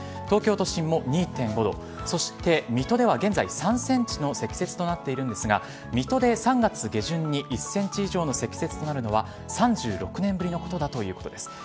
東京都心も２．５度、そして水戸では現在、３センチの積雪となっているんですが、水戸で３月下旬に１センチ以上の積雪となるのは、３６年ぶりのことだということです。